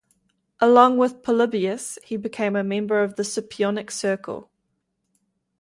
Along with Polybius, he became a member of the Scipionic Circle.